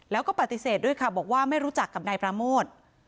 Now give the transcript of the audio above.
แล้วก็ปฏิเสธด้วยค่ะบอกว่าไม่รู้จักกับนายปราโมท